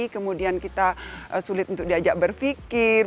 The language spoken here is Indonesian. kemudian kita sulit untuk diajak berpikir